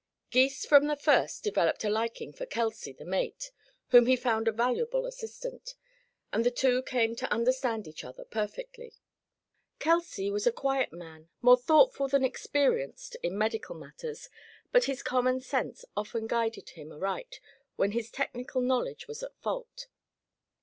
Gys from the first developed a liking for Kelsey, the mate, whom he found a valuable assistant, and the two came to understand each other perfectly. Kelsey was a quiet man, more thoughtful than experienced in medical matters, but his common sense often guided him aright when his technical knowledge was at fault.